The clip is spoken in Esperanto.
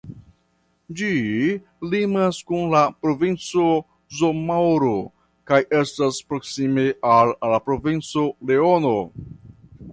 Ĝi limas kun la provinco Zamoro kaj estas proksime al la provinco Leono.